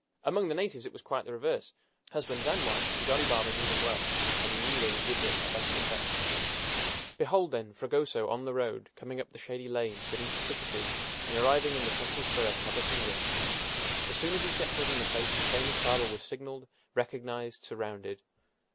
Among the natives it was quite the reverse. Husbands and wives, the jolly barber knew them well, and he knew they would give him a better reception. Behold, then, Fragoso on the road, coming up the shady lane beneath the ficuses, and arriving in the central square of Tabatinga! As soon as he set foot in the place the famous barber was signaled, recognized, surrounded.